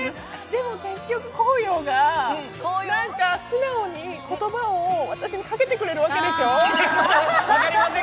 でも結局、航洋が素直に言葉を私にかけてくれるわけでしょう？